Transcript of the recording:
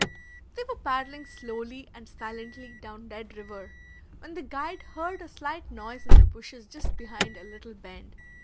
They were paddling slowly and silently down Dead River, when the guide heard a slight noise in the bushes just behind a little bend.